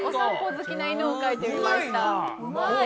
好きな犬を描いてみましたうまい！